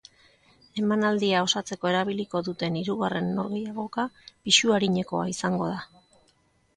Emanaldia osatzeko erabiliko duten hirugarren norgehiagoka pisu arinekoa izango da.